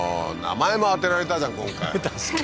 名前も当てられたじゃん